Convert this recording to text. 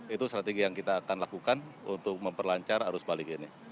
itu strategi yang kita akan lakukan untuk memperlancar arus balik ini